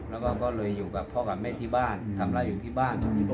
แล้วก็ก็เลยอยู่กับพ่อกับแม่ที่บ้านทำไร่อยู่ที่บ้าน